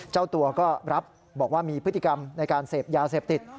เจ้าตัวก็รับบอกว่ามีพฤติกรรมในการเสพยาเสพติด